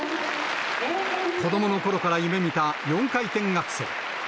子どものころから夢みた４回転アクセル。